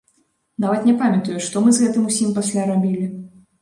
Нават не памятаю, што мы з гэтым усім пасля рабілі.